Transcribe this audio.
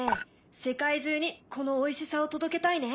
世界中にこのおいしさを届けたいね。